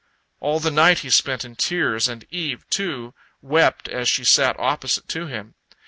All the night he spent in tears, and Eve, too, wept as she sat opposite to him.